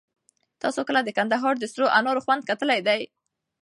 تاسو کله د کندهار د سرو انار خوند کتلی دی؟